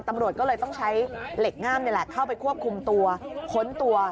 ตำรวจก็เลยต้องใช้เหล็กง่ามนี่แหละเข้าไปควบคุมตัวค้นตัว